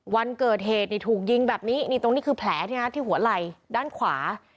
วันเกิดเหตุถูกยิงแบบนี้นี่ตรงนี้คือแผลที่หัวไหล่ด้านขวา